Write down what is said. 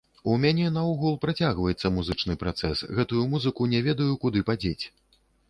У мяне наогул працягваецца музычны працэс, гэтую музыку не ведаю, куды падзець.